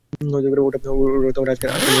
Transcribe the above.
ওটা অ্যাজাকের মতো নিজেকে সুস্থ করেছে।